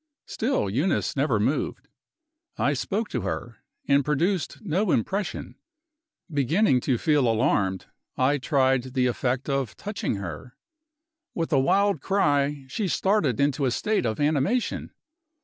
Still, Eunice never moved. I spoke to her, and produced no impression. Beginning to feel alarmed, I tried the effect of touching her. With a wild cry, she started into a state of animation.